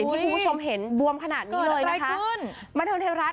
คุณผู้ชมเห็นบวมขนาดนี้เลยนะคะ